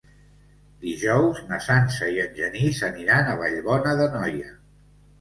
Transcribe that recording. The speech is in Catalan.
Dijous na Sança i en Genís aniran a Vallbona d'Anoia.